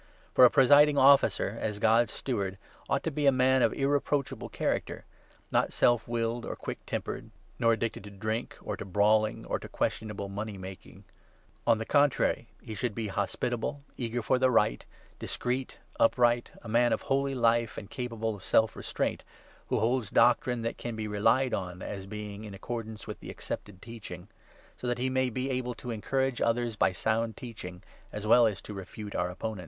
For a Presiding Officer, as God's steward, ought to be a man 7 of irreproachable character ; not self willed or quick tempered, nor addicted to drink or to brawling or to questionable money making. On the contrary, he should be hospitable, 8 eager for the right, discreet, upright, a man of holy life and capable of self restraint, who holds doctrine that can be relied 9 on as being in accordance with the accepted Teaching ; so that he may be able to encourage others by sound teaching, as well as to refute our opponents.